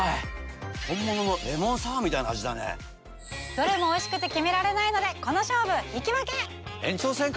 どれもおいしくて決められないのでこの勝負引き分け！延長戦か？